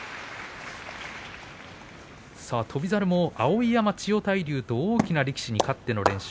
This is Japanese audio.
翔猿も碧山、千代大龍と大きな力士に勝っての連勝。